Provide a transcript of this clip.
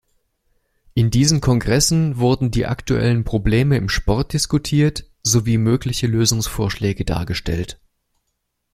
In diesen Kongressen wurden die aktuellen Probleme im Sport diskutiert, sowie mögliche Lösungsvorschläge dargestellt.